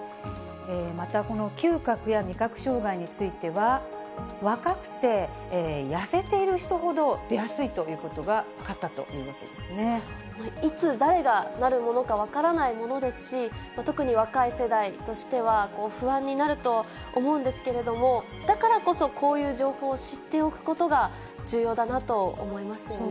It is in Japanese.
またこの嗅覚や味覚障害については、若くて痩せている人ほど出やすいということが分かったというわけいつ、誰がなるものか分からないものですし、特に若い世代としては、不安になると思うんですけれども、だからこそ、こういう情報を知っておくことが重要だなと思いますよね。